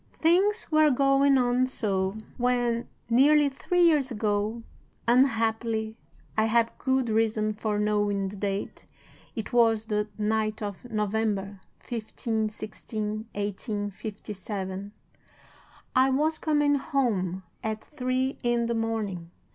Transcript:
"'Things were going on so, when, nearly three years ago (unhappily, I have good reason for knowing the date, it was the night of November 15 16, 1857), I was coming home at three in the morning.